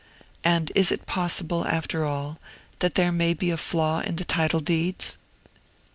And is it possible, after all, that there may be a flaw in the title deeds?